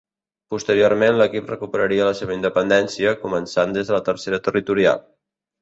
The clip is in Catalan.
Posteriorment l'equip recuperaria la seva independència, començant des de Tercera Territorial.